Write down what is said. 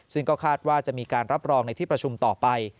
ซึ่งก็คาดว่าจะมีการรับรองในที่ประชุมต่อไป